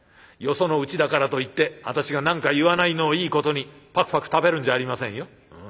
よそのうちだからといって私が何か言わないのをいいことにパクパク食べるんじゃありませんよ。